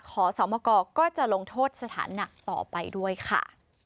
ขอสมกก็จะลงโทษสถานหนักต่อไปด้วยค่ะ